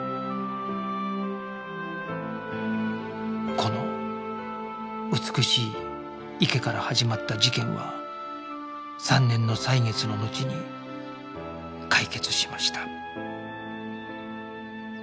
この美しい池から始まった事件は３年の歳月の後に解決しました